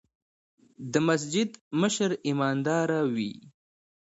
د مسجد مشر ايمانداره وي.